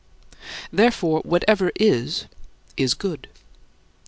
Therefore, whatsoever is, is good.